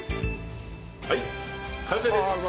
はい完成です。